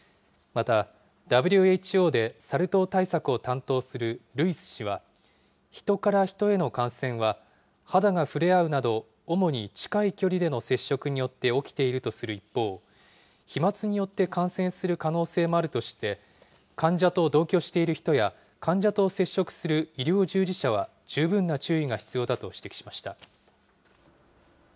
また、ＷＨＯでサル痘対策を担当するルイス氏は、ヒトからヒトへの感染は、肌が触れ合うなど主に近い距離での接触によって起きているとする一方、飛まつによって感染する可能性もあるとして、患者と同居している人や、患者と接触する医療従事者は、十分な注意が必要だと指摘しました。